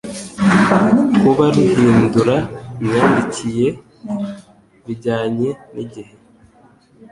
kuba ruhindura imyandikyire bijyanye nigihe